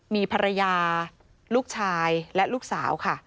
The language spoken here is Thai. มีภรรยาลูกชายและลูกสาวค่ะ